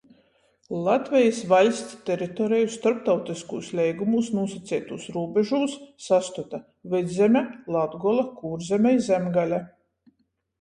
Latvejis vaļsts teritoreju storptautyskūs leigumūs nūsaceitūs rūbežūs sastota Vydzeme, Latgola, Kūrzeme i Zemgale.